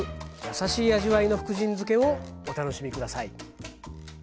優しい味わいの福神漬けをお楽しみ下さい。